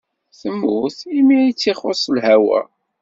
Temmut imi ay tt-ixuṣṣ lhawa.